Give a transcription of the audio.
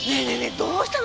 どうしたの？